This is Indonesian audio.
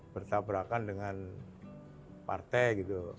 bertabrakan dengan partai gitu